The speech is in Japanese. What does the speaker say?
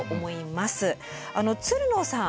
あのつるのさん。